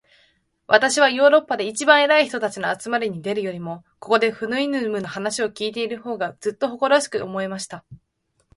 私はヨーロッパで一番偉い人たちの集まりに出るよりも、ここで、フウイヌムの話を開いている方が、ずっと誇らしく思えました。